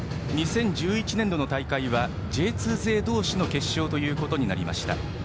２０１１年度の大会はＪ２勢同士の決勝ということになりました。